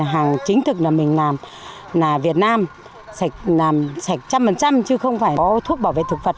hàng chính thực là mình làm là việt nam sạch làm sạch một trăm linh chứ không phải có thuốc bảo vệ thực vật